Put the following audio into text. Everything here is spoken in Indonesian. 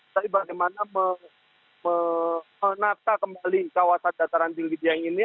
tapi bagaimana menata kembali kawasan dataran tinggi dieng ini